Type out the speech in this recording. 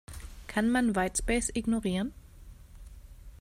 Kann man Whitespace ignorieren?